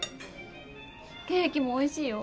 ケーキもおいしいよ。